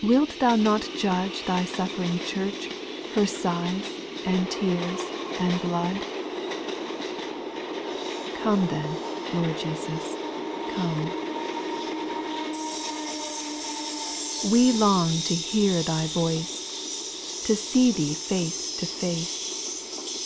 Wilt thou not judge thy suJBfering church, Her sighs, and tears, and blood ? Come then. Lord Jesus, come 1 4. We long to hear Thy voice, To see Thee face to face.